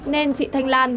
nên chị thanh lan